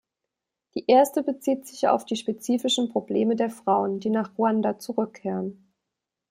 Die erste bezieht sich auf die spezifischen Probleme der Frauen, die nach Ruanda zurückkehren.